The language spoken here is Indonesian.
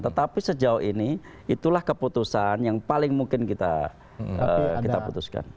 tetapi sejauh ini itulah keputusan yang paling mungkin kita putuskan